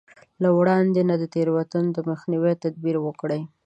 له وړاندې نه د تېروتنو د مخنيوي تدبير وکړي.